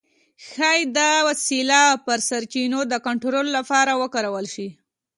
ښايي دا وسیله پر سرچینو د کنټرول لپاره وکارول شي.